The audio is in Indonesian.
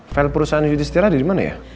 fil perusahaan yudi setiradi dimana ya